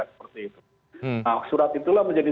nah surat itulah menjadi